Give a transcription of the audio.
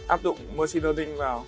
áp dụng machine learning vào